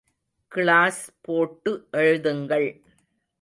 Class போட்டு எழுதுங்கள்.